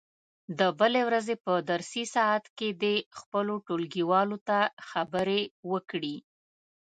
د بلې ورځې په درسي ساعت کې دې خپلو ټولګیوالو ته خبرې وکړي.